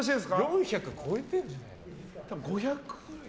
４００ｇ超えてるんじゃない？